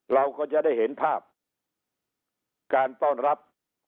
เราก็จะได้เห็นภาพการต้อนรับ